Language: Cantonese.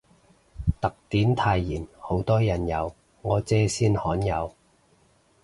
特典泰妍好多人有，我姐先罕有